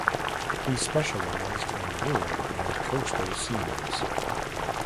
He specialized in rural and coastal scenes.